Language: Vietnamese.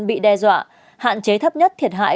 bị đe dọa hạn chế thấp nhất thiệt hại